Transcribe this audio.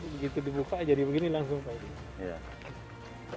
begitu dibuka jadi begini langsung